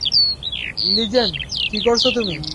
Linden, কী করছো তুমি?